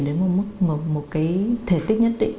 đến một mức một cái thể tích nhất định